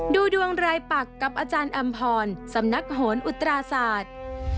ดูดวงรายปักกับอาจารย์อำพรสำนักโหนอุตราศาสตร์